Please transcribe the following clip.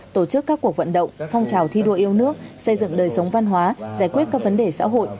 tổ chức các cuộc vận động phong trào thi đua yêu nước xây dựng đời sống văn hóa giải quyết các vấn đề xã hội